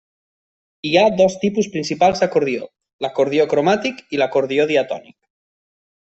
Hi ha dos tipus principals d'acordió: l’acordió cromàtic i l’acordió diatònic.